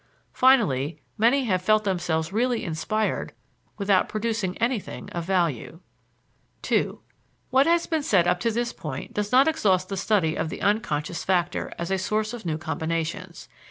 Finally, many have felt themselves really inspired without producing anything of value. II What has been said up to this point does not exhaust the study of the unconscious factor as a source of new combinations.